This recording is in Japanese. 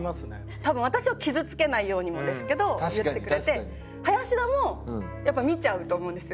多分私を傷つけないようになんですけど言ってくれて林田もやっぱ見ちゃうと思うんですよ。